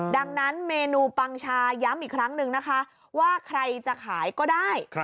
ดังนั้นเมนูปังชาย้ำอีกครั้งนึงนะคะว่าใครจะขายก็ได้